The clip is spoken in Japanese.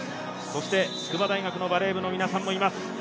そして、筑波大学のバレー部の皆さんもいます。